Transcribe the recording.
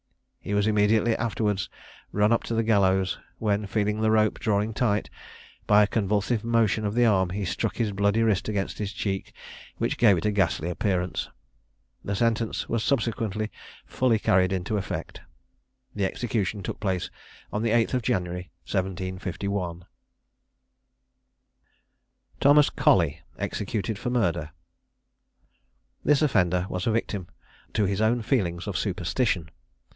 He was immediately afterwards run up to the gallows, when, feeling the rope drawing tight, by a convulsive motion of the arm he struck his bloody wrist against his cheek, which gave it a ghastly appearance. The sentence was subsequently fully carried into effect. The execution took place on the 8th January 1751. THOMAS COLLEY. EXECUTED FOR MURDER. This offender was a victim to his own feelings of superstition.